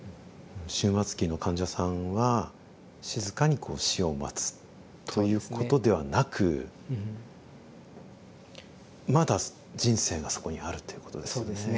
終末期の患者さんは静かにこう死を待つということではなくまだ人生がそこにあるということですね。